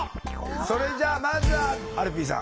それじゃあまずはアルピーさん。